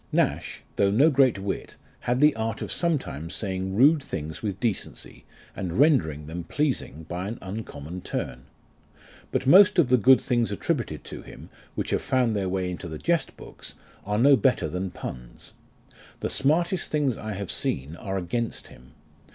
Nash, though no great wit, had the art of sometimes saying rude things with decency, and rendering them pleasing by an uncommon turn. But most of the good things attributed to him, which have found their way into the jest books, are no better than puns. The smartest things I have seen are against him.